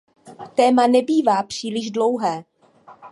Téma nebývá příliš dlouhé.